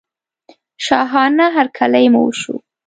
شاهانه هرکلی مو وشو.